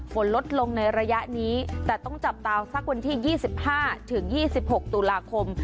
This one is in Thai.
ฝนลดลงในระยะนี้แต่ต้องจับตาสักวันที่๒๕๒๖ตุลาคม